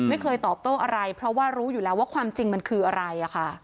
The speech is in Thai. ไม่เคยตอบโต้อะไรเพราะว่ารู้อยู่แล้วว่าความจริงมันคืออะไร